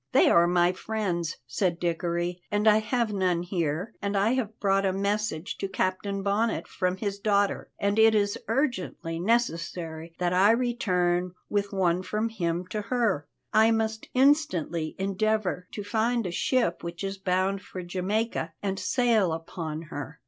"They are my friends," said Dickory, "and I have none here, and I have brought a message to Captain Bonnet from his daughter, and it is urgently necessary that I return with one from him to her. I must instantly endeavour to find a ship which is bound for Jamaica and sail upon her.